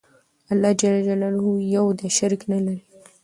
الله ج يو دى شريک نلري